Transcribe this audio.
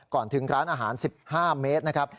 ก่อนถึงร้านอาหาร๑๕เมตรนะครับ